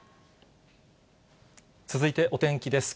続いてお天気です。